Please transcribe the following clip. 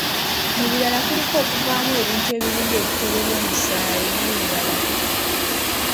Mu birala kuliko okuvaamu ebintu ebiringa ebitole by'omusaayi n'ebirala